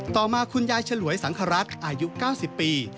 ต่อมาคุณยายฉลวยสังครัฐอายุ๙๐ปี